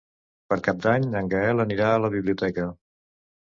Per Cap d'Any en Gaël anirà a la biblioteca.